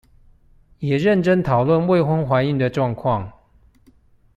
也認真討論未婚懷孕的狀況